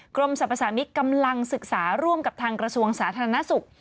กรมสรรพสามิตรกำลังศึกษาร่วมกับทางกระทรวงสาธารณสุข